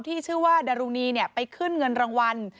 ที่ชื่อว่าดารุณีไปขึ้นเงินรางวัล